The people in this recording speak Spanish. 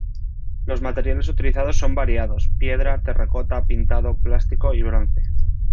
Los materiales utilizados son variados: piedra, terracota, pintado, plástico y bronce.